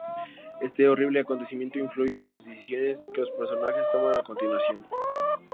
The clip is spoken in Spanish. Este horrible acontecimiento influye en las decisiones que los personajes toman a continuación.